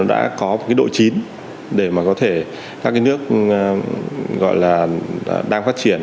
nó đã có cái độ chính để mà có thể các cái nước gọi là đang phát triển